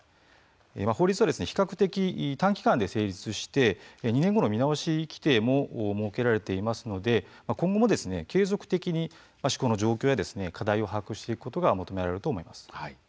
法律は比較的短期間で成立して２年後の見直し規定も設けられていますので今後も継続的に状況や課題を把握していくことが求められると思います。